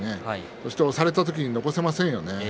押して押された時に残せませんよね